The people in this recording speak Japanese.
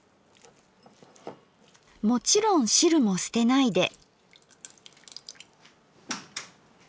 もちろん汁も捨てないで。